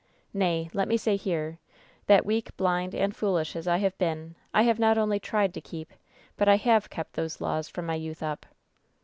Nay, let me say here, that weak, blind and foolish as I have been, I have not only tried to keep, but I have kept those laws from my youth up.